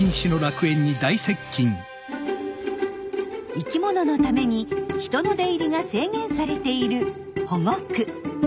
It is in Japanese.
生きもののために人の出入りが制限されている保護区。